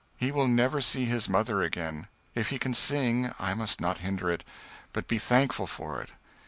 He will never see his mother again; if he can sing, I must not hinder it, but be thankful for it.